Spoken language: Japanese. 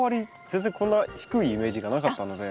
全然こんな低いイメージがなかったので。